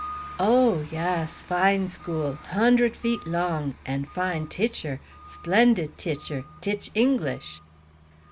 "Oh, yass; fine school; hondred feet long! and fine titcher; splendid titcher; titch English."